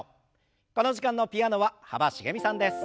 この時間のピアノは幅しげみさんです。